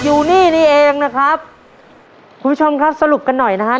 อยู่นี่นี่เองนะครับคุณผู้ชมครับสรุปกันหน่อยนะฮะ